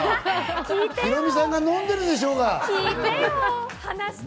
ヒロミさんが飲んでるでしょうが！